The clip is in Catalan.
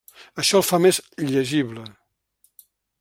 Això el fa més llegible.